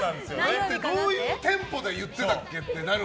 どういうテンポで言ってたっけってなる。